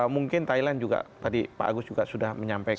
mungkin thailand juga tadi pak agus juga sudah menyampaikan